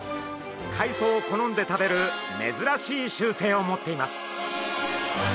海藻を好んで食べる珍しい習性を持っています。